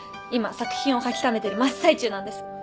今作品を描きためてる真っ最中なんです。